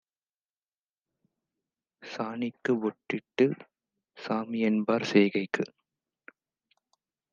சாணிக்குப் பொட்டிட்டுச் சாமிஎன்பார் செய்கைக்கு